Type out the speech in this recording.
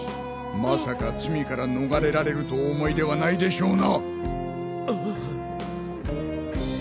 まさか罪から逃れられるとお思いではないでしょうな！